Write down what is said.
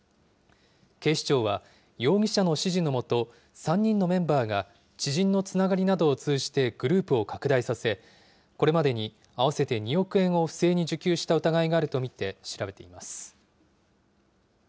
警視庁は、容疑者の指示の下、３人のメンバーが知人のつながりなどを通じてグループを拡大させ、これまでに合わせて２億円を不正に受給した疑いがあると見て調べています。